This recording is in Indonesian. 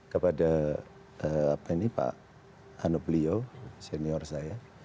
kepada pak anup liyo senior saya